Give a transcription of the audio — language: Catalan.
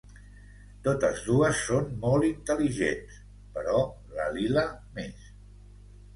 Totes dues són molt intel·ligents, però la Lila més.